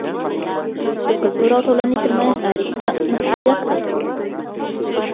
د کلتور او ټولنې ترمنځ اړیکه مطالعه کړئ.